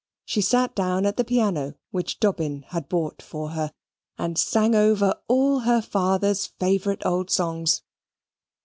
She sate down at the piano which Dobbin had bought for her, and sang over all her father's favourite old songs.